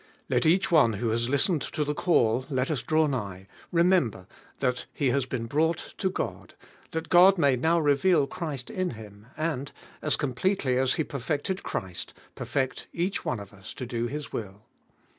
Let each one who has listened to the call Let us draw nigh, remember that he has been brought to God, that God may now reveal Christ in Him, and, as completely as He perfected Christ, perfect each one of us to do His will.